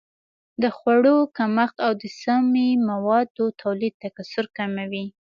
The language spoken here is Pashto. د خوړو کمښت او د سمي موادو تولید تکثر کموي.